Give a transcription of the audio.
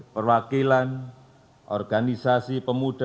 perwakilan organisasi pemuda